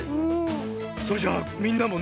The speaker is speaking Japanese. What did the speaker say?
それじゃあみんなもね